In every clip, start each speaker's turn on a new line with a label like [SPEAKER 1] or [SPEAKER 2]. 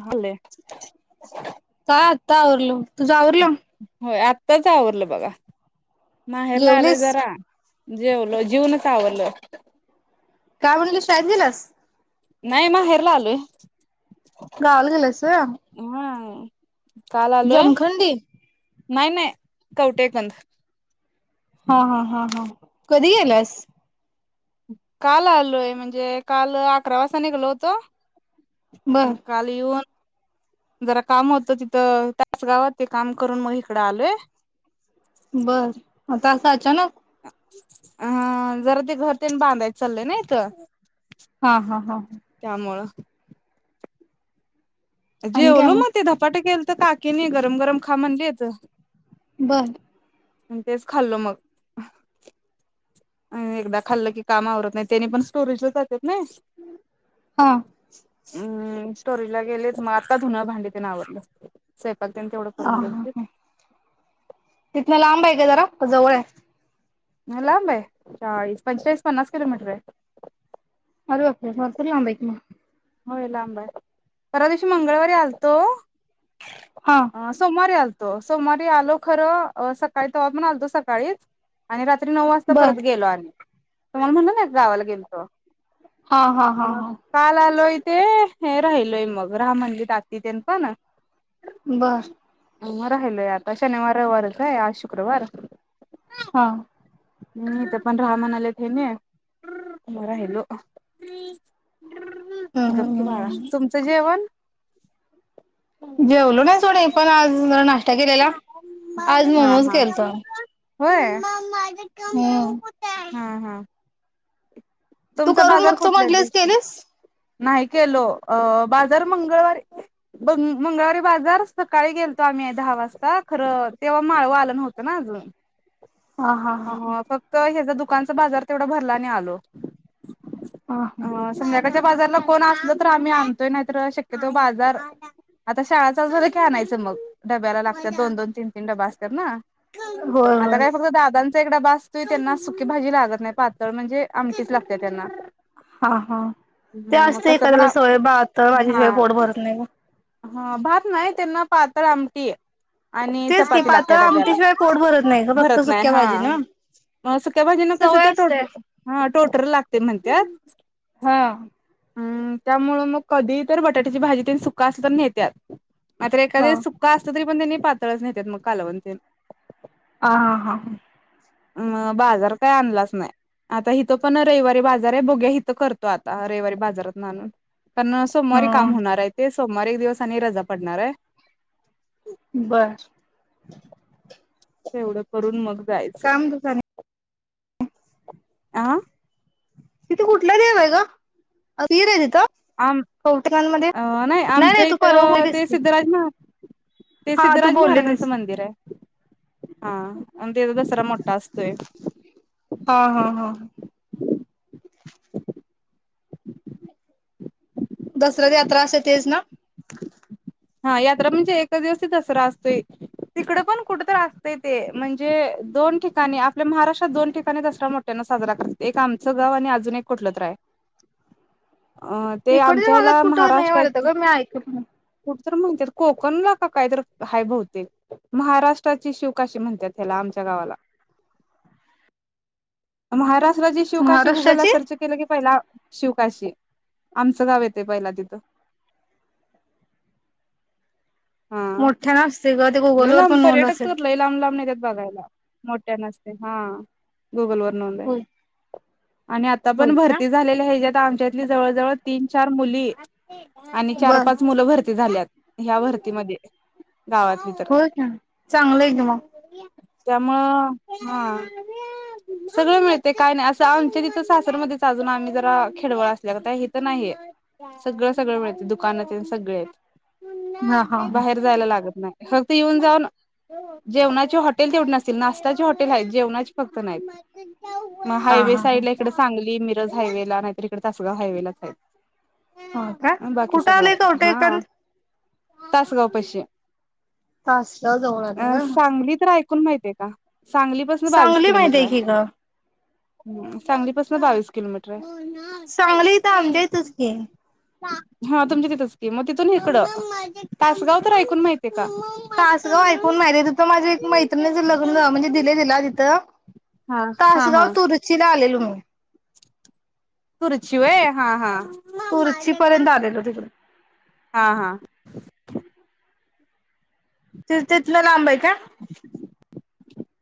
[SPEAKER 1] झाले,
[SPEAKER 2] आता आवरलो तुझं आवरल,
[SPEAKER 1] आताच आवरलं बघा माहे्याला आलंय
[SPEAKER 2] जेवलीस
[SPEAKER 1] जरा, जेवल जीवनच आवरलं,
[SPEAKER 2] काय म्हणल शाळेत गेलास,
[SPEAKER 1] नाहीय माहेराला आलोय,
[SPEAKER 2] गावल गेलंस होय,
[SPEAKER 1] हा काल आलोय
[SPEAKER 2] जमखंडी,
[SPEAKER 1] नाही नाही कवटेकंद,
[SPEAKER 2] हा हा हा हा, कधी गेलस,
[SPEAKER 1] काल आलोय, म्हणजे काल अकरा वाजता निघलो होत.
[SPEAKER 2] बर
[SPEAKER 1] काल येऊन, जरा काम होत तिथं, त्याच गावात ते काम करून मग इकडं आलोय,
[SPEAKER 2] बर आतां असं अचानक?
[SPEAKER 1] अ जरा ते घर ते बांधाय चाललंय नाही हेत,
[SPEAKER 2] हा हा, हा हा, आणि काय
[SPEAKER 1] जेवलो मग ते धपाटेक केल, तर काकीने गरम गरम खा म्हणलीच,
[SPEAKER 2] बर,
[SPEAKER 1] तेच खाल्लो मग, अ एकदा खाल्लं की काम आवरत नाही, त्यानी पण स्टोरेजच, नाही
[SPEAKER 2] हा
[SPEAKER 1] हम्, स्टोरीज ला गेले तर मग आता धुनं भांडी ते आवलं. स्वपक तेन तेवढं करून घेलतील,
[SPEAKER 2] तिथन लांब आहे काय जरा? का जवळ आहे,
[SPEAKER 1] नाहीला लांब आहे, चाळीस पंचाळीस पन्नास किलोमीटर र आहे.
[SPEAKER 2] अरे बापरे भरपूर लांब आहे की मग,
[SPEAKER 1] होय लांब आहे परवादिवशी मंगळवारी आलतो.
[SPEAKER 2] हा
[SPEAKER 1] ह सोमवारी असलत, सोमवारी आलो खर सकाळी त्हाणलतो सकाळीच आणि, रात्री नऊ वाजता
[SPEAKER 2] बर
[SPEAKER 1] परत गेलो, आणि तुम्हाला म्हणल ना गावाला गेलोतो,
[SPEAKER 2] हा हा हा
[SPEAKER 1] आ
[SPEAKER 2] हा
[SPEAKER 1] काल आलोय ते हे राहिलोय मग राम मंदिर आ त त्यां पण
[SPEAKER 2] बर
[SPEAKER 1] राहिलोय आता शनिवार रवारच आहे आज शुक्रवार
[SPEAKER 2] हा
[SPEAKER 1] म तर पण राहामाणा आलेत हे न राहिलो
[SPEAKER 2] हम्म
[SPEAKER 1] गकी
[SPEAKER 2] हम्म
[SPEAKER 1] बाळा
[SPEAKER 2] हम्म
[SPEAKER 1] तुमचं जेवण
[SPEAKER 2] जेवलो नाही सोडे पण आज ज नाश केलता
[SPEAKER 1] होय
[SPEAKER 2] हम्म
[SPEAKER 1] हा हा
[SPEAKER 2] तू
[SPEAKER 1] तुमचा
[SPEAKER 2] करून
[SPEAKER 1] बाजार
[SPEAKER 2] बघतो
[SPEAKER 1] कुठला
[SPEAKER 2] म्हटलेस
[SPEAKER 1] देशील
[SPEAKER 2] केलीस?
[SPEAKER 1] नाही केलो अ बाजार मंगळवारी ब मंगळवारी बाजार सकाळी गेलतो आम्ही दहा वाजता खरं तेव्हा माळव आलं न होतं ना
[SPEAKER 2] हा हा हा
[SPEAKER 1] म फक्त ह्याचा दुकानचा बाजार तेवढा भरला नाही आलो
[SPEAKER 2] हा हा
[SPEAKER 1] ह संग सच्या बाजारला कोण असल तर आम्ही आणतोय नाहीत शक्यतो बाजार आता शाळाचं झालं घ्या आणायचं मग डब्याला लागतात दोन दोन तीन तीन डबा असत ना
[SPEAKER 2] होय
[SPEAKER 1] आता
[SPEAKER 2] होय
[SPEAKER 1] काय फक्त दादांचा एकड भासतोय त्यांना सुकी भाजी लागत नाही पातळ म्हणजे आमटच लागते त्यांना
[SPEAKER 2] हा हा ते
[SPEAKER 1] मग
[SPEAKER 2] असते
[SPEAKER 1] कसं पण
[SPEAKER 2] एखाद्याला सवय बहत
[SPEAKER 1] हा
[SPEAKER 2] माझ्याशिवाय पोट भरत नाही
[SPEAKER 1] हा भात नाही त्यांना पात्र आमटी आहे आणि
[SPEAKER 2] तेच की
[SPEAKER 1] चपाती
[SPEAKER 2] पातळ
[SPEAKER 1] लागयला द्याला
[SPEAKER 2] आमटीशिवाय पोट भरत नाही ग फक्त
[SPEAKER 1] भरत नाही
[SPEAKER 2] सुक्या
[SPEAKER 1] हा
[SPEAKER 2] भाजी न
[SPEAKER 1] असक्या भाजे न कसं
[SPEAKER 2] सवय
[SPEAKER 1] ते टोट
[SPEAKER 2] असते.
[SPEAKER 1] हा टोटर लागते म्हणत
[SPEAKER 2] हा
[SPEAKER 1] हम् त्यामुळ मग कधी तर बटाट्याची भाजी त्यां सुका असल तर नहेत्याात मात्र
[SPEAKER 2] हा
[SPEAKER 1] एखादे सुक्का असलं तरी पण त्यांनी पातळच नेतात मग कालवण ते
[SPEAKER 2] ह हा हा हा
[SPEAKER 1] अ बाजार काय आणलाच नाही आता हिथं पण रविवारी बाजार आहे बोघ्या हिथं करतो आता रविवारी बाजारात नाणून कारण सोमवारी काम
[SPEAKER 2] हम्म
[SPEAKER 1] होणार आहे ते सोमवारी एक दिवस आणि रजा पडणार आहे
[SPEAKER 2] बर
[SPEAKER 1] तेवढं करून मग जायचं.
[SPEAKER 2] काम तु
[SPEAKER 1] आ
[SPEAKER 2] तिथे कुठला देव आहे का हीर आहे तिथं
[SPEAKER 1] आम
[SPEAKER 2] कौतकांमध्ये
[SPEAKER 1] अ
[SPEAKER 2] नाही
[SPEAKER 1] आमच्या
[SPEAKER 2] नाही तू पग
[SPEAKER 1] इथं
[SPEAKER 2] होलीस
[SPEAKER 1] ते
[SPEAKER 2] की
[SPEAKER 1] सिद्धराज महा ते
[SPEAKER 2] हा तू
[SPEAKER 1] सिद्धराज महाराजांचं
[SPEAKER 2] बोललेलीस
[SPEAKER 1] मंदिर आहे हा आणि तेचा दसरा मोठा असतोय
[SPEAKER 2] हा हा हा दसऱ्या यात्रा असा तेच ना
[SPEAKER 1] हा यात्रा म्हणजे एकच दिवस दसरा असतोय तिकड पण कुठ तर असतय ते म्हणजे दोन ठिकाणी आपल्या महाराष्ट्रात दोन ठिकाणी दसरा मोठ्याना साजरा करतात एक आमचं गाव आणि अजून एक कुठलं तर रा आहे अं ते
[SPEAKER 2] इकडच्या
[SPEAKER 1] आमच्या
[SPEAKER 2] भागात
[SPEAKER 1] हला
[SPEAKER 2] कुठं नाही
[SPEAKER 1] महाराष्ट्रा
[SPEAKER 2] वाटत ग मी ऐकलं
[SPEAKER 1] म्हण कोकणला का काय तर हय बतेक महाराष्ट्राची शिवकाशी म्हणतात त्या मा ुस जे शोके गुगल ला
[SPEAKER 2] महाराष्ट्राची
[SPEAKER 1] सर्च केलं की पहिला शिवकाशी आमचं गाव येते पहिला तिथं हा
[SPEAKER 2] मोठ्या ना असते ग ते
[SPEAKER 1] ल
[SPEAKER 2] गुगलवर
[SPEAKER 1] लाब
[SPEAKER 2] पण नोंद
[SPEAKER 1] पर्यटक
[SPEAKER 2] असेल
[SPEAKER 1] तर लई लाब लाब नाही त्या बघायला मोठ्या नसते हा गुगल वर नोंद आहे
[SPEAKER 2] होय
[SPEAKER 1] आणि आता
[SPEAKER 2] होय
[SPEAKER 1] पण
[SPEAKER 2] का
[SPEAKER 1] भरती झालेल्या हच्यात आमच्यात जवळ जवळ तीन चार मुली आणि चार
[SPEAKER 2] बर
[SPEAKER 1] पाच मुलं भर झाल्यात ह भरतीमध्ये गावातली तर
[SPEAKER 2] हो का चांगलं आहे क मग
[SPEAKER 1] त्यामुं ह सगळं मिळते काय नाही असं आमच्या तिथं सासरमध्येध्ये अजून आम्ही जरा खेडवळ असल्यागत आहे हित नाही हे सगळं सगळं मिळते दुकाने तेन सगळी आहेत
[SPEAKER 2] हा हा हा
[SPEAKER 1] बाहेर जायला लागत नाही फक्त येऊन जाऊन जेवणाची हॉटेल तेवढ नसतील नाश्त्याची हॉटेल जेवनाची फक्त नाहीत मग
[SPEAKER 2] हा
[SPEAKER 1] हायवे
[SPEAKER 2] हा हा
[SPEAKER 1] साईड ला हिकडं सांगली मिरज हायवे ला नाही तर इकडे तासगाव हायवे लाच
[SPEAKER 2] हो का
[SPEAKER 1] आहे बाकी
[SPEAKER 2] कुठं
[SPEAKER 1] सगळ
[SPEAKER 2] आलंय
[SPEAKER 1] आहे
[SPEAKER 2] कवठे
[SPEAKER 1] हा
[SPEAKER 2] एकंद
[SPEAKER 1] तासगाव पशी
[SPEAKER 2] तासगाव जवळ आलं
[SPEAKER 1] अ
[SPEAKER 2] ग
[SPEAKER 1] सांगली तर ऐकून माहितय का सांगलीपासून बावीस
[SPEAKER 2] सांगली माहिती
[SPEAKER 1] किलोमीटर आहे
[SPEAKER 2] की ग
[SPEAKER 1] सांगलीपासून बावीस किलोमीटर आहे
[SPEAKER 2] सांगली ईथ आंब्या येथेच की
[SPEAKER 1] हा तुमच्या तिथच की मग तिथून इकडं तासगाव तर ऐकून माहिती आहे
[SPEAKER 2] तासगाव ऐकून माहिती आहे तिथं माझी एक मैत्रिणीच लग्न म्हणजे दिले दिला तिथं
[SPEAKER 1] हा हा
[SPEAKER 2] तासगाव
[SPEAKER 1] हा
[SPEAKER 2] तुरुचीला आलेल मी
[SPEAKER 1] तुरुची हा हा
[SPEAKER 2] तूरुची पर्यंत आलेलो तिकड
[SPEAKER 1] हा हा
[SPEAKER 2] तेच तिथन लांब आहे का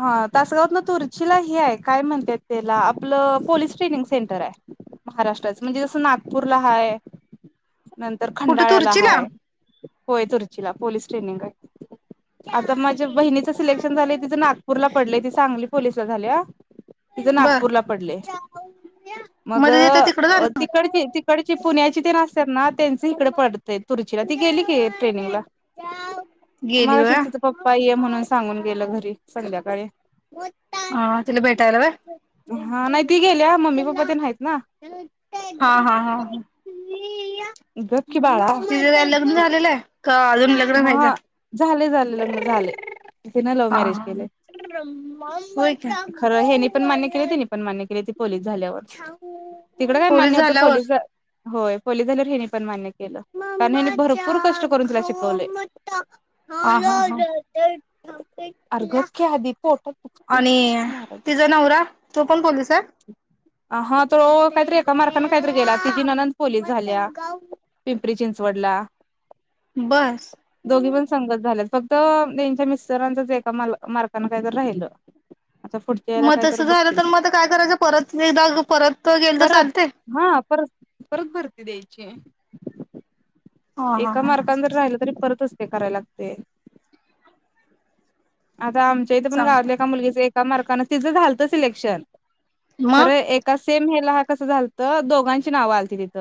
[SPEAKER 1] हा तासगावात तुर्चीला हे आहे काय म्हणत्यात त्याला आपलं पोलीस ट्रेनिंग सेंटर आहे महाराष्ट्राचं म्हणजे जसं नागपूरला हाय नंतर
[SPEAKER 2] कुठं
[SPEAKER 1] खंडाळ्याला
[SPEAKER 2] तुरचीला
[SPEAKER 1] हाय होय तुर्चीला पोलीस ट्रेनिंग आहे आता माझ्या बहिणीच सिलेक्शन झालं तिथं नाग नागपूरला पडलय ती सांगली पोलीसला झाल्या तिथं
[SPEAKER 2] बर
[SPEAKER 1] नागपूरला पडलय मग
[SPEAKER 2] मध्ये येत तिकडं जाणार
[SPEAKER 1] तिकडची तिकडची पुण्याची तेन असत्यात ना त्यांच इकडे पडतय तुरुचीला ती गेली की ट्रेनिंगला
[SPEAKER 2] गेली वय
[SPEAKER 1] मलाशीच तिचा पप्पा ये म्हणून सांगून गेलं घरी संध्याकाळी
[SPEAKER 2] हा तिला भेटायला होय
[SPEAKER 1] हा नाही ती गेल्या मम्मी पप्पा ते आहेत ना
[SPEAKER 2] हा हा हा
[SPEAKER 1] इ गप की
[SPEAKER 2] तिझ लग्न
[SPEAKER 1] बाळा
[SPEAKER 2] झालेलं आहे का अजून लग्न व्हायचं
[SPEAKER 1] म तिझं लग्न झालंय तिनं लव
[SPEAKER 2] हा
[SPEAKER 1] मॅरेज
[SPEAKER 2] हा
[SPEAKER 1] केलंय
[SPEAKER 2] होय का
[SPEAKER 1] खरं यांनी पण मान्य केले तिनी पण मान्य केली ती पोलीस झाल्यावर तिकड काय
[SPEAKER 2] पोलीस
[SPEAKER 1] मान्य होतं
[SPEAKER 2] झाल्यावर
[SPEAKER 1] पोलीस होय पोलीस झाल्यावर हेनी पण मान्य केलं कारण ह्यांनी भरपूर कष्ट करून तिला शिकवलंय
[SPEAKER 2] हा हा हा
[SPEAKER 1] आर गप की आदिप
[SPEAKER 2] आणि तिचं नवरा तू पण पोलिस आहे?
[SPEAKER 1] हा तो काहीतरी एका मार्काने काहीतरी गेला तिझी ननंद पोलीस झाल्या पिंपरी चिंचवडला
[SPEAKER 2] बस्स
[SPEAKER 1] दोघी पण संगट झाल्यात फक्त त्यांच्या मिस्टरांच एका मार्काने काय तर राहिल
[SPEAKER 2] मग तस झालं तर मत काय करायचं परत एकदा परत गेल तर
[SPEAKER 1] परत
[SPEAKER 2] चालतय
[SPEAKER 1] हा परत परत भरती द्यायची
[SPEAKER 2] हा हा
[SPEAKER 1] एका
[SPEAKER 2] हा
[SPEAKER 1] मार्कन जर राहिलं तरी परतच कराय लागते आता आमच्या इथे पण
[SPEAKER 2] चांग
[SPEAKER 1] गावातल्या एका मुलगीचे एका मार्कन तिझं झालत सिलेक्शन खरं
[SPEAKER 2] मग
[SPEAKER 1] एका सेम ह्याला कस झालत दोघांची नाव आलती तिथ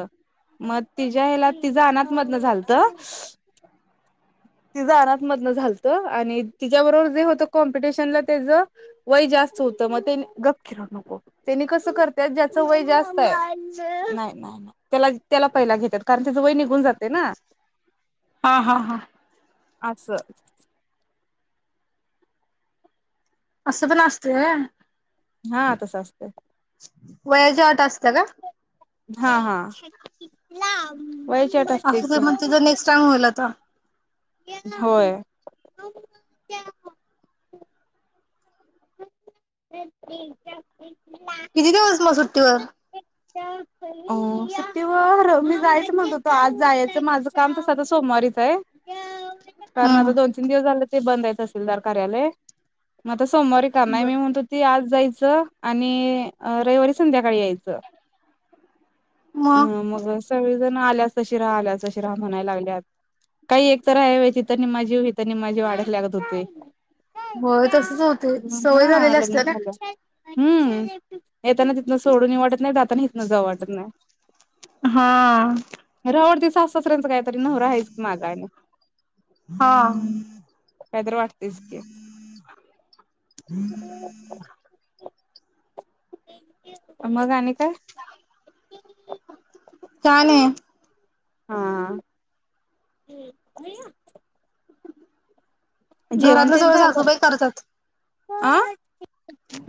[SPEAKER 1] मग तिझ्या हिला ती जाणार मधन झालत तिचं आराध मधन झालत आणि तिच्याबरोबर जे होत कॉम्पिटिशनला त्याच वय जास्त मग गप की रडू नको तेनी कस करत्यात ज्याचं वय जास्त नाही नाही त्या त्याला पहिला घेतात कारण त्याच वय निघून जात ते ना
[SPEAKER 2] हा हा हा
[SPEAKER 1] असं
[SPEAKER 2] असं पण असतय होय..
[SPEAKER 1] हा तसं असतंय
[SPEAKER 2] वयाच्या आट असतत्या काय?
[SPEAKER 1] हा हा होतच की
[SPEAKER 2] असं तर मग तिचां नेक्स्ट टाइम होईल आता
[SPEAKER 1] होय.. [unintelligible]
[SPEAKER 2] किती दिवस मग सुट्टीवर?
[SPEAKER 1] सुट्टी वर मी जायचं म्हणतो तो आज जायचं माझ काम तस आता सोमवारीच आहे कारण आता
[SPEAKER 2] हम्म
[SPEAKER 1] दोन तीन दिवस झाले ते बंद तसीलदार कार्यालय मग आता सोमवारी कर नाही
[SPEAKER 2] बर
[SPEAKER 1] मी म्हणतो ती आज जायचं आणि रविवारी संध्याकाळी यायचं हा मग सगळं आल्यास तशी राहा आल्यास तशी राहा म्हणायला लागल्यात. काही एक तर हायव होय तिथ निम्मा जीव हिथं निम्मा अडकल्यागत होते.
[SPEAKER 2] होय तसच होतेय सवय
[SPEAKER 1] हा
[SPEAKER 2] झालेली
[SPEAKER 1] लग्न
[SPEAKER 2] असते ना.
[SPEAKER 1] झालं हम्म येताना तिथनं सोडून वाटत नाही, जाताना इथन जाव वाटत नाही
[SPEAKER 2] हा..
[SPEAKER 1] [unintelligible] डती सास सासऱ्यांचं काहीतरी नवरा हायच की माग आणि
[SPEAKER 2] हा
[SPEAKER 1] काय तर वाटतेस की,
[SPEAKER 2] [inaudible]
[SPEAKER 1] मग आणि काय
[SPEAKER 2] का नाही?
[SPEAKER 1] हां जेवण
[SPEAKER 2] घरातलं
[SPEAKER 1] तेन
[SPEAKER 2] सगळं
[SPEAKER 1] झालं,
[SPEAKER 2] सासूबाई करतात
[SPEAKER 1] आ..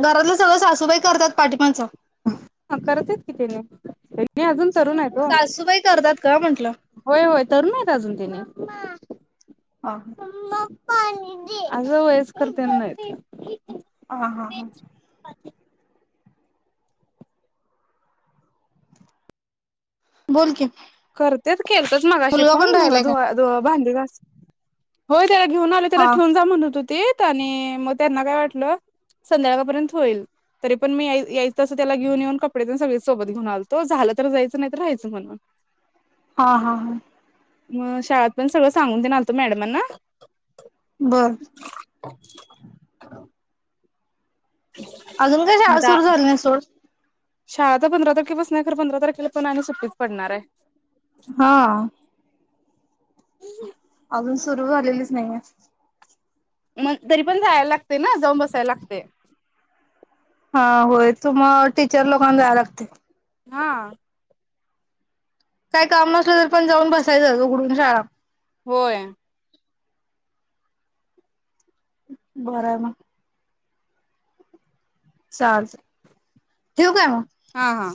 [SPEAKER 2] घरातलं सगळं सासूबाई करतात पाठीमागचं
[SPEAKER 1] करत की त्याने म अजून तरुण ओ
[SPEAKER 2] सासूबाई करतात का म्हंटलं
[SPEAKER 1] होय.. होय. तरुण आहेत अजून तेनी
[SPEAKER 2] हा
[SPEAKER 1] असं वयसकर तेन नाहीत
[SPEAKER 2] ह हा हा बोल की,
[SPEAKER 1] करतेत केलतीत मगाशी
[SPEAKER 2] मुलगा
[SPEAKER 1] फोन
[SPEAKER 2] पण
[SPEAKER 1] धुन
[SPEAKER 2] राहिलाय
[SPEAKER 1] धु
[SPEAKER 2] का
[SPEAKER 1] भांडी घासायला होय.. त्याला घेऊन आले त्याला
[SPEAKER 2] हा
[SPEAKER 1] ठेवून जा म्हण होत हो ते आणि मग त्यांना काय वाटलं संध्याकाळपर्यंत होईल. तरी पण मी यायचं असं त्याला घेऊन येऊन कपडे सगळे सोबत घेऊन आलो झालं तर जायचं नाही तर राहायचं म्हणून.
[SPEAKER 2] हा हा हा
[SPEAKER 1] मग शाळात पण सगळं सांगून देणार तो मॅडमांना
[SPEAKER 2] बरं अजून काय
[SPEAKER 1] मग
[SPEAKER 2] शाळा
[SPEAKER 1] आता
[SPEAKER 2] सुरू झालं ना सोड.
[SPEAKER 1] शाळा तर पंधरा तारखेपस नाही खर पंधरा तारखेला पण आणि सुट्टीत पडणार आहे.
[SPEAKER 2] हा अजून सुरू झालेलीच नाहीे
[SPEAKER 1] मग तरी पण जायला लागते ना जाऊन बसायला लागतय.
[SPEAKER 2] हा होय तू मग टीचर लोकांना जायला लागते
[SPEAKER 1] हा
[SPEAKER 2] काय काम नसलं तर पण जाऊन बसायचं उघडून शाळा.
[SPEAKER 1] होय
[SPEAKER 2] बरोबर चालतंय ठेवू काय मग
[SPEAKER 1] हा हा.